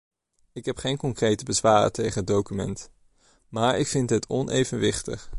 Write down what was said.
Ik heb geen concrete bezwaren tegen het document, maar ik vind het onevenwichtig.